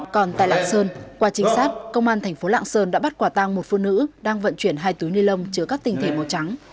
còn tại lạng sơn qua trinh sát công an thành phố lạng sơn đã bắt quả tăng một phụ nữ đang vận chuyển hai túi ni lông chứa các tinh thể màu trắng